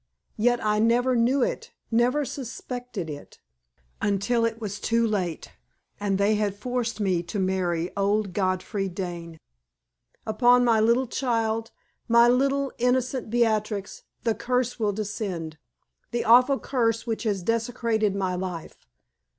Yet I never knew it, never suspected it, until it was too late, and they had forced me to marry old Godfrey Dane. Upon my little child my little, innocent Beatrix the curse will descend the awful curse which has desolated my life.